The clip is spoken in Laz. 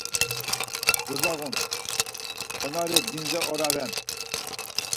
Dubağun ǩonari gindze ora ren.